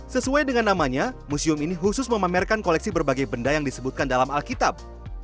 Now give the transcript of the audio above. sesuai dengan namanya museum ini khusus memamerkan koleksi berbagai benda yang disebutkan dalam alkitab